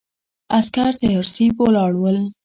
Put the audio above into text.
عسکر تیارسي ولاړ ول.